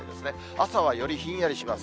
朝はよりひんやりします。